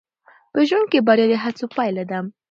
په ژوند کې بریا د هڅو پایله ده.